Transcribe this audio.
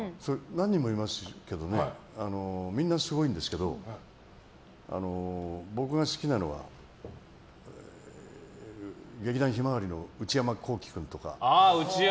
何人もいますけどみんなすごいんですけど僕ら好きなのは、劇団ひまわりのウチヤマコウキ君とか。